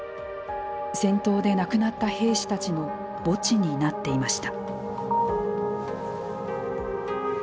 戦闘で亡くなった兵士たちの墓地になっていました。